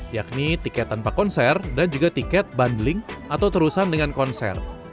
yakni tiket tanpa konser dan juga tiket bundling atau terusan dengan konser